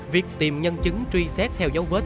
việc tìm nhân chứng truy xét theo dấu vết